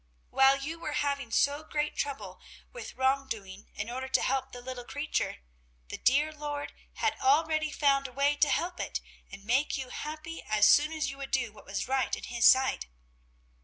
While you were having so great trouble with wrong doing in order to help the little creature, the dear Lord had already found a way to help it and make you happy as soon as you would do what was right in His sight.